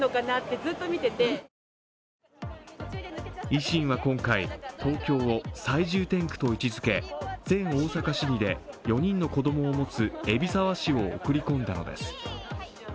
維新は今回、東京を最重点区と位置づけ、前大阪市議で、４人の子供を持つ海老沢氏を送り込んだのです。